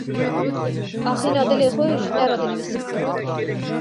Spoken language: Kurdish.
Axîna dilê xwe ji te re dinivîsim.